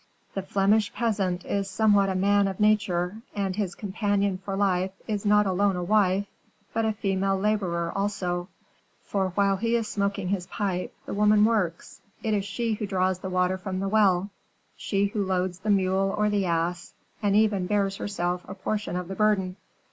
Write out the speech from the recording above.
The Flemish peasant is somewhat a man of nature, and his companion for life is not alone a wife, but a female laborer also; for while he is smoking his pipe, the woman works: it is she who draws the water from the well; she who loads the mule or the ass, and even bears herself a portion of the burden.